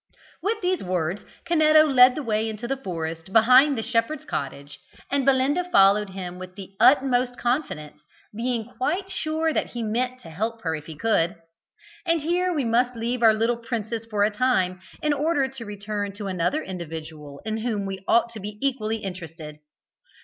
With these words Canetto led the way into the forest behind the shepherd's cottage, and Belinda followed him with the utmost confidence, being quite sure that he meant to help her if he could. And here we must leave our little princess for a time, in order to return to another individual in whom we ought to be equally interested.